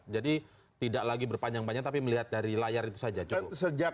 jadi tidak lagi berpanjang banyak tapi melihat dari layar itu saja